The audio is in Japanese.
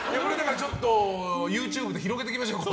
ＹｏｕＴｕｂｅで広げていきましょう。